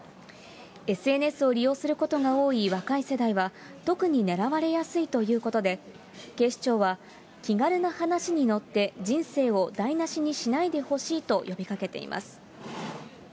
ＳＮＳを利用することが多い若い世代は特に狙われやすいということで、警視庁は気軽な話に乗って人生を台なしにしないでほしいと呼びかけています。